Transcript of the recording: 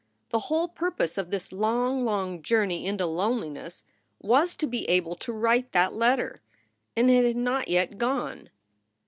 The whole purpose of this long, long journey into loneliness was to be able to write that letter; and it had not yet gone.